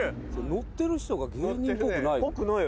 乗ってる人が芸人っぽくない。